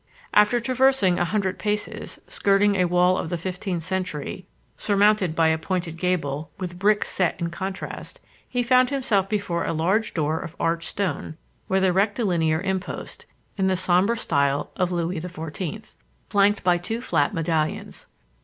After traversing a hundred paces, skirting a wall of the fifteenth century, surmounted by a pointed gable, with bricks set in contrast, he found himself before a large door of arched stone, with a rectilinear impost, in the sombre style of Louis XIV., flanked by two flat medallions.